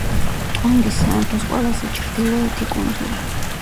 ტონგის სამეფოს ყველაზე ჩრდილოეთი კუნძული.